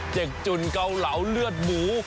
เด็กจุ่นเกาเหลาเลือดหมู